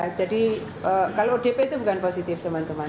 ya jadi kalau odp itu bukan positif teman teman